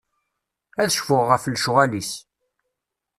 Ad cfuɣ ɣef lecɣal-is.